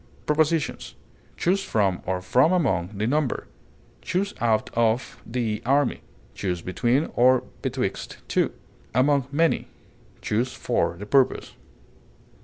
Prepositions: Choose from or from among the number; choose out of the army; choose between (or betwixt) two; among many; choose for the purpose.